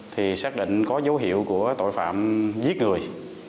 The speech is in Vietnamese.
thì xác định có dấu hiệu của tội phạm giết người